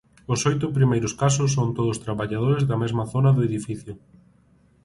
Os oito primeiros casos son todos traballadores da mesma zona do edificio.